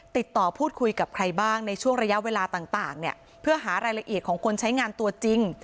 ติดต่อพูดคุยกับใครบ้างในช่วงระยะเวลาต่างเนี่ยเพื่อหารายละเอียดของคนใช้งานตัวจริง